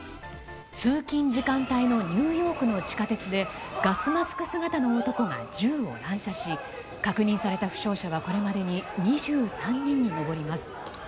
通勤時間帯のニューヨークの地下鉄でガスマスク姿の男が銃を乱射し確認された負傷者はこれまでに２３人に上ります。